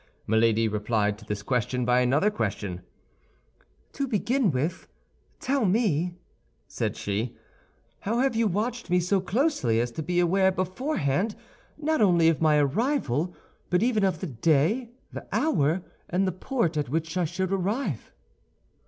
Milady replied to this question by another question. "To begin with, tell me," said she, "how have you watched me so closely as to be aware beforehand not only of my arrival, but even of the day, the hour, and the port at which I should arrive?"